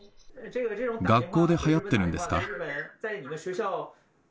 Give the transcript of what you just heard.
学校ではやってるんですか？